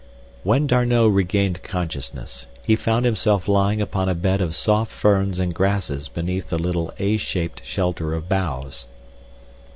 When D'Arnot regained consciousness, he found himself lying upon a bed of soft ferns and grasses beneath a little "A" shaped shelter of boughs.